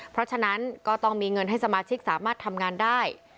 เพราะฉะนั้นก็ต้องมีเงินให้สมาชิกสามารถทำงานได้